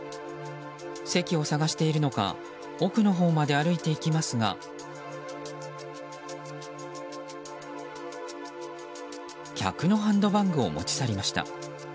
席を探しているのか奥のほうまで歩いていきますが客のハンドバッグを持ち去りました。